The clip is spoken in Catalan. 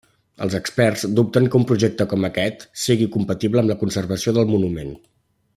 Els experts dubten que un projecte com aquest sigui compatible amb la conservació del monument.